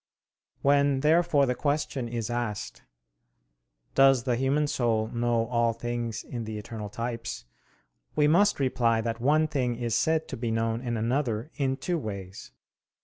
When, therefore, the question is asked: Does the human soul know all things in the eternal types? we must reply that one thing is said to be known in another in two ways.